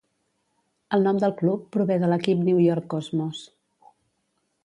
El nom del club prové de l"equip New York Cosmos.